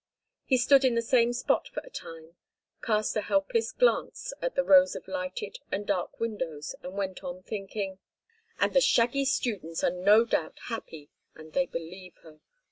He stood in the same spot for a time, cast a helpless glance at the rows of lighted and dark windows and went on thinking: "And the shaggy students are no doubt happy, and they believe her.